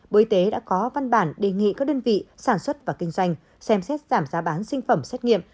bộ y tế đã có văn bản đề nghị các đơn vị sản xuất và kinh doanh xem xét giảm giá bán sinh phẩm xét nghiệm